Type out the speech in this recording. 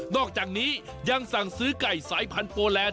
อกจากนี้ยังสั่งซื้อไก่สายพันธุโฟแลนด